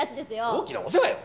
大きなお世話よ！